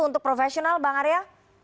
untuk profesional bang arya